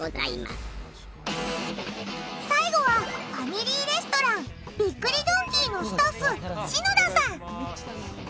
最後はファミリーレストランびっくりドンキーのスタッフ篠田さん。